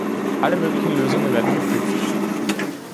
Alle möglichen Lösungen werden geprüft.